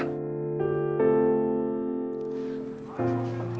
aku mau berbicara sama kamu